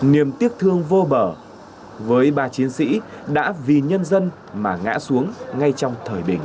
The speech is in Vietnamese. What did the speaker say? niềm tiếc thương vô bờ với ba chiến sĩ đã vì nhân dân mà ngã xuống ngay trong thời bình